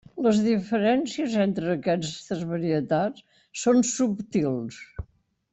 Les diferències entre aquestes varietats són subtils.